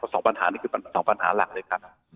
สองปัญหานี้คือ๒ปัญหาหลักเลยครับ